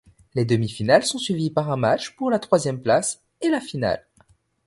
Les demi-finales sont suivies par un match pour la troisième place et la finale.